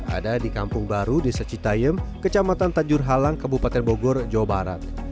ada di kampung baru desa citayem kecamatan tanjur halang kabupaten bogor jawa barat